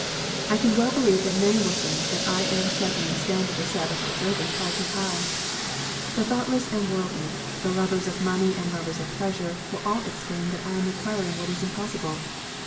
I can well believe that many will think that I am setting the standard of Sabbath observance far too high. The thoughtless and worldly, the lovers of money and lovers of pleasure, will all exclaim that I am requiring what is impossible.